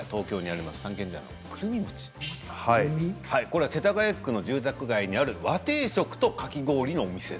これは世田谷区の住宅街にある和定食とかき氷のお店。